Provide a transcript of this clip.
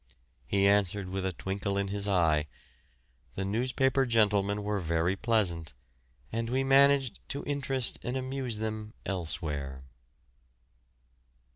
He answered with a twinkle in his eye, "The newspaper gentlemen were very pleasant, and we managed to interest and amuse them elsewhere."